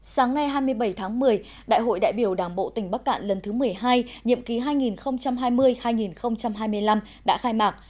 sáng nay hai mươi bảy tháng một mươi đại hội đại biểu đảng bộ tỉnh bắc cạn lần thứ một mươi hai nhiệm ký hai nghìn hai mươi hai nghìn hai mươi năm đã khai mạc